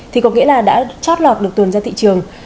thì có nghĩa là đã chót lọt được tuần ra thị trường